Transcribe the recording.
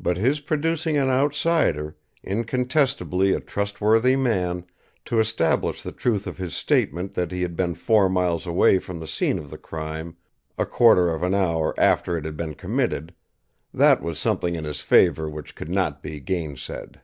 But his producing an outsider, incontestably a trustworthy man, to establish the truth of his statement that he had been four miles away from the scene of the crime a quarter of an hour after it had been committed that was something in his favour which could not be gainsaid.